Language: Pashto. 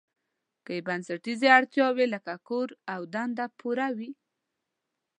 که یې بنسټیزې اړتیاوې لکه کور او دنده پوره وي.